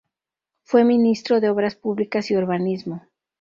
Fue Ministro de Obras Públicas y Urbanismo.